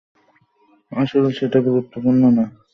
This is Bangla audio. আসলে, সেটা গুরুত্বপূর্ণ না।